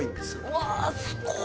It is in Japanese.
うわすご。